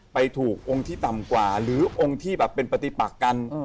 ไปถูกองค์ที่ต่ำกว่าหรือองค์ที่แบบเป็นปฏิปักกัน